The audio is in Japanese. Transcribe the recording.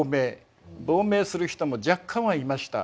亡命する人も若干はいました。